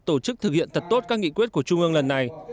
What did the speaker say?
tổ chức thực hiện thật tốt các nghị quyết của trung ương lần này